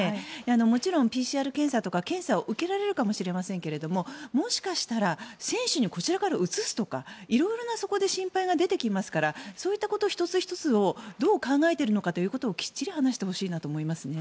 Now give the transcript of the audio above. もちろんＰＣＲ検査を受けられるかもしれませんがもしかしたら選手にこちらからうつすとかいろいろな心配が出てきますからそういったこと１つ１つをどう考えてるのかということをきっちり話してほしいなと思います。